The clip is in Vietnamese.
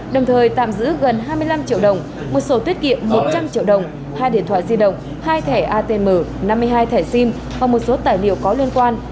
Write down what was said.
đồng thời tạm giữ gần hai mươi năm triệu đồng một sổ tiết kiệm một trăm linh triệu đồng hai điện thoại di động hai thẻ atm năm mươi hai thẻ sim và một số tài liệu có liên quan